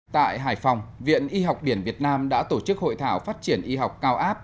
tại hải phòng viện y học biển việt nam đã tổ chức hội thảo phát triển y học cao áp